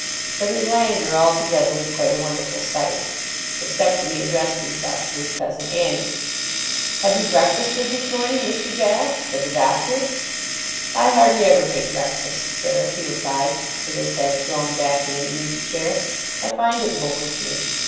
But his languor altogether was quite a wonderful sight; except when he addressed himself to his cousin Annie. 'Have you breakfasted this morning, Mr. Jack?' said the Doctor. 'I hardly ever take breakfast, sir,' he replied, with his head thrown back in an easy chair. 'I find it bores me.